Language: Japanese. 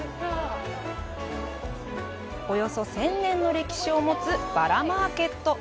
およそ１０００年の歴史を持つ「バラマーケット」。